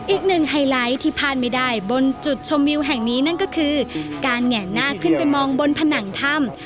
ไฮไลท์ที่พลาดไม่ได้บนจุดชมวิวแห่งนี้นั่นก็คือการแหงหน้าขึ้นไปมองบนผนังถ้ำ